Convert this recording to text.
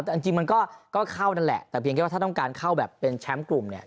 แต่จริงมันก็เข้านั่นแหละแต่เพียงแค่ว่าถ้าต้องการเข้าแบบเป็นแชมป์กลุ่มเนี่ย